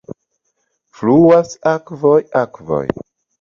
Fluas akvoj, akvoj.